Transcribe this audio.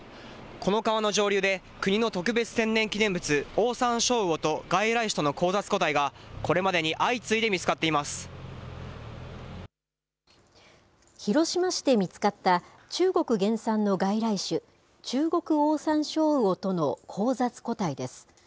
この川の上流で、国の特別天然記念物、オオサンショウウオと外来種との交雑個体がこれまでに相次いで見広島市で見つかった、中国原産の外来種、チュウゴクオオサンショウウオとの交雑個体です。